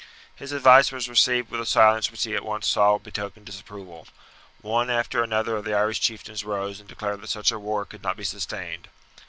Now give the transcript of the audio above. His advice was received with a silence which he at once saw betokened disapproval. One after another of the Irish chieftains rose and declared that such a war could not be sustained.